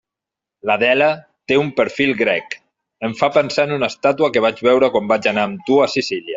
L'Adela té un perfil grec, em fa pensar en una estàtua que vaig veure quan vaig anar amb tu a Sicília.